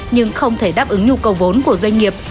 nhưng không thể đáp ứng nhu cầu vốn của doanh nghiệp